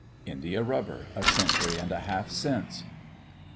INDIA RUBBER, A CENTURY AND A HALF SINCE.